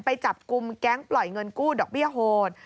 ไปจับกลุ่มแก๊งปล่อยเงินกู้ดอกเบี้ยโหด